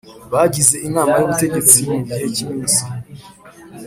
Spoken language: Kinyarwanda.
Bagize inama y ubutegetsi mu gihe cy iminsi